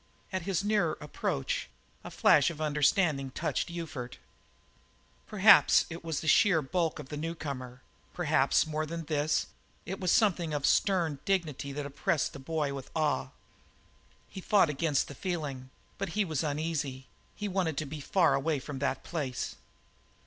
At his nearer approach a flash of understanding touched Ufert. Perhaps it was the sheer bulk of the newcomer; perhaps, more than this, it was something of stern dignity that oppressed the boy with awe. He fought against the feeling, but he was uneasy; he wanted to be far away from that place.